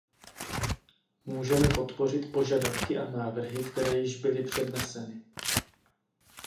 Můžeme podpořit požadavky a návrhy, které již byly předneseny.